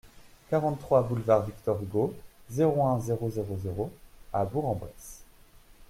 quarante-trois boulevard Victor Hugo, zéro un, zéro zéro zéro à Bourg-en-Bresse